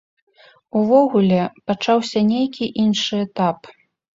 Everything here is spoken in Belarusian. Увогуле, пачаўся нейкі іншы этап.